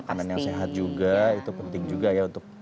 panen yang sehat juga itu penting juga ya untuk